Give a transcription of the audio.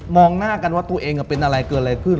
หน้ากันว่าตัวเองเป็นอะไรเกิดอะไรขึ้น